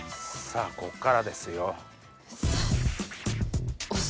さぁこっからですよ。